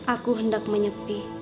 aku hendak menyepih